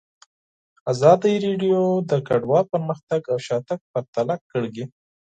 ازادي راډیو د کډوال پرمختګ او شاتګ پرتله کړی.